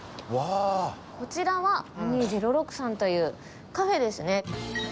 こちらは３２０６さんというカフェですね。